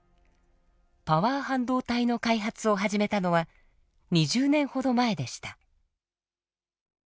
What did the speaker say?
パワー半導体の開発を始めたのは２０年ほど前でした。